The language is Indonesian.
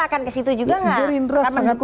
akan kesitu juga gak gerindra sangat